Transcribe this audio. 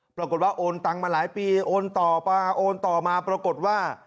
ปรากฏว่าโอนตังมาหลายปีโอนต่อโอนต่อมาปรากฏว่า